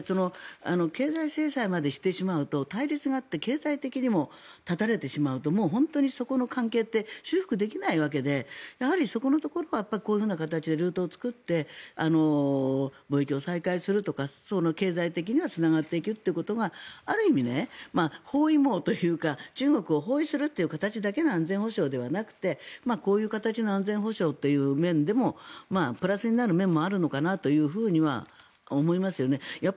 経済制裁までしてしまうと対立があって経済的にも断たれてしまうともう本当にそこの関係って修復できないわけでそこのところはこういう形でルートを作って貿易を再開するとか経済的にはつながっていくことがある意味包囲網というか中国を包囲するという形だけが安全保障ではなくてこういう形の安全保障という面でもプラスになる面もあるのかなとは思いますよね。